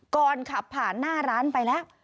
ก่อนขับผ่านหน้าร้านไปแล้ว